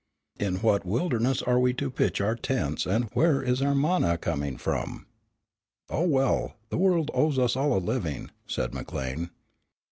In what wilderness are we to pitch our tents and where is our manna coming from?" "Oh, well, the world owes us all a living," said McLean.